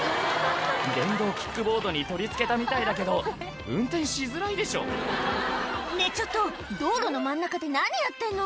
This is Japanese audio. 電動キックボードに取り付けたみたいだけど運転しづらいでしょねぇちょっと道路の真ん中で何やってんの？